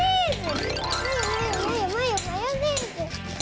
マヨマヨマヨマヨマヨネーズ！